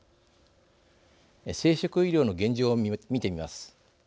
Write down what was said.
生殖医療の現状を見てみます。